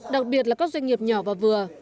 đặc biệt là các doanh nghiệp nhỏ và vừa